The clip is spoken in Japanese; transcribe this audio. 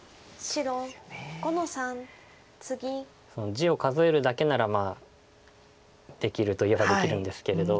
地を数えるだけならできるといえばできるんですけれど。